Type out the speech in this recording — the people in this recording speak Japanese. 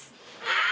ああ！